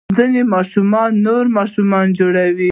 ځینې ماشینونه نور ماشینونه جوړوي.